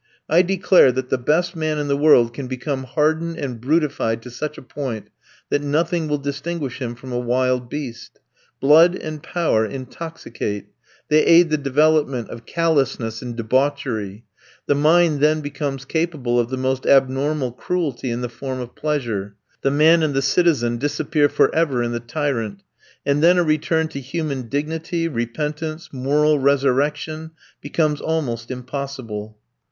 I declare that the best man in the world can become hardened and brutified to such a point, that nothing will distinguish him from a wild beast. Blood and power intoxicate; they aid the development of callousness and debauchery; the mind then becomes capable of the most abnormal cruelty in the form of pleasure; the man and the citizen disappear for ever in the tyrant; and then a return to human dignity, repentance, moral resurrection, becomes almost impossible.